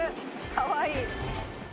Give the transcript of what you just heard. かわいい。